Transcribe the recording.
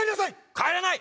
帰らない！